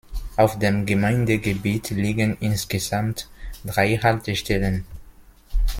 Auf dem Gemeindegebiet liegen insgesamt drei Haltestellen.